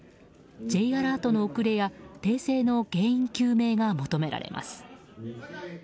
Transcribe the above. Ｊアラートの遅れや訂正の原因究明が求められます。